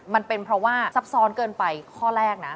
มันเป็นเพราะว่าซับซ้อนเกินไปข้อแรกนะ